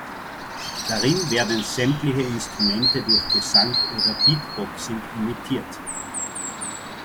Darin werden sämtliche Instrumente durch Gesang oder Beatboxing imitiert.